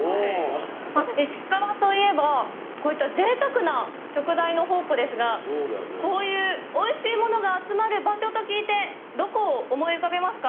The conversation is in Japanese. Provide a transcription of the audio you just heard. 石川といえばこういったぜいたくな食材の宝庫ですがこういうおいしいものが集まる場所と聞いてどこを思い浮かべますか？